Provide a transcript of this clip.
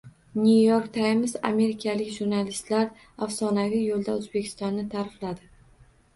“New York Times”: amerikalik jurnalistlar afsonaviy yoʻlda Oʻzbekistonni taʼrifladi